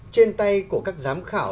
trên tay của các giám khảo